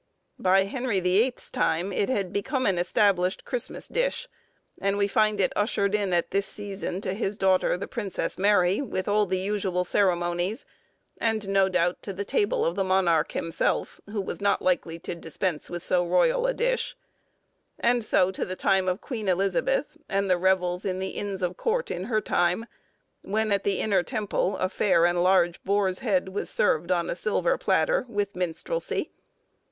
By Henry the Eighth's time it had become an established Christmas dish, and we find it ushered in at this season to his daughter the Princess Mary, with all the usual ceremonies, and no doubt to the table of the monarch himself, who was not likely to dispense with so royal a dish; and so to the time of Queen Elizabeth, and the revels in the Inns of Court in her time, when at the Inner Temple a fair and large boar's head was served on a silver platter, with minstrelsy.